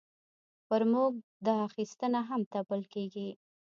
پر موږ دا اخیستنه هم تپل کېږي.